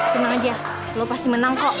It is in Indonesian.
tenang aja lo pasti menang kok